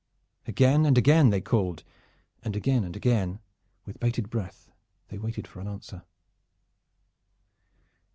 Again and again they called, and again and again with bated breath they waited for an answer.